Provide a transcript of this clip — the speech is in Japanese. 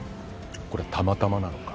これ「たまたま」なのか？